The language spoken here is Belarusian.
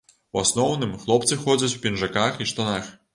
У асноўным, хлопцы ходзяць у пінжаках і штанах.